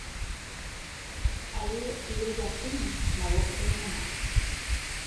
Але гільятыны на востраве няма.